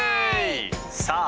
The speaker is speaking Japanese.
さあ